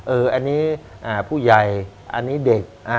อันนี้ผู้ใหญ่อันนี้เด็ก